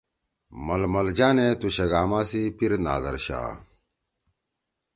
ململ جانے تُو شگاما سی پیر نادر شاہ